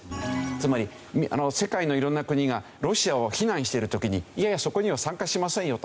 つまり世界の色んな国がロシアを非難している時にいやいやそこには参加しませんよと。